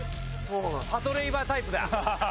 パトレイバータイプだ！